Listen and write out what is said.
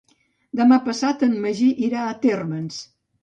Demà passat en Magí irà a Térmens.